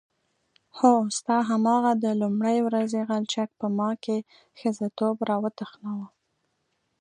هو ستا هماغه د لومړۍ ورځې غلچک په ما کې ښځتوب راوتخناوه.